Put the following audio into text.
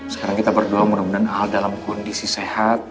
sekarang kita berdoa mudah mudahan al dalam kondisi sehat